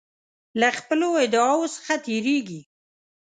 له خپلو ادعاوو څخه تیریږي.